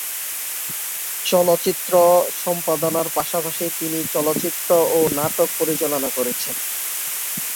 চলচ্চিত্র সম্পাদনার পাশাপাশি তিনি চলচ্চিত্র ও নাটক পরিচালনা করেছেন।